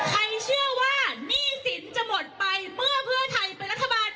เชื่อว่าหนี้สินจะหมดไปเมื่อเพื่อไทยเป็นรัฐบาล